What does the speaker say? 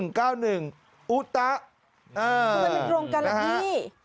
เออนะฮะก็มันเป็นโรงการแบบนี้